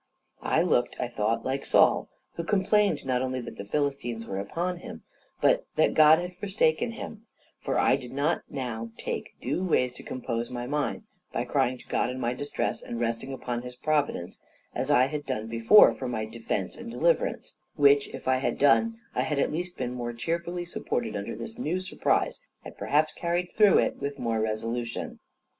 I looked, I thought, like Saul, who complained not only that the Philistines were upon him, but that God had forsaken him; for I did not now take due ways to compose my mind, by crying to God in my distress, and resting upon His providence, as I had done before, for my defence and deliverance; which, if I had done, I had at least been more cheerfully supported under this new surprise, and perhaps carried through it with more resolution.